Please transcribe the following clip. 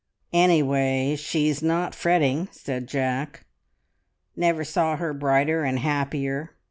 "Anyway, she's not fretting!" said Jack. "Never saw her brighter and happier.